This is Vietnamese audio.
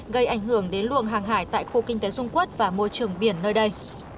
gây ảnh hưởng đến luồng hàng hải tại khu kinh tế dung quốc và môi trường biển nơi đây